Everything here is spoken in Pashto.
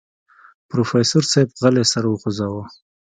پروفيسر صيب غلی سر وخوځوه.